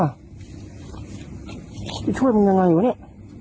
ชิคกี้พายมันยังไงวะเนี่ย